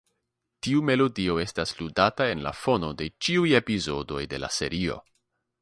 Tiu melodio estas ludata en la fono de ĉiuj epizodoj de la serio.